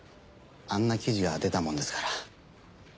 あんな記事が出たもんですから。